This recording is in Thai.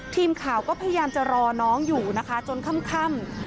ทีมข่าวก็พยายามจะรอน้องอยู่นะคะจนค่ำ